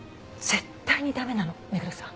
絶対に駄目なの目黒さん。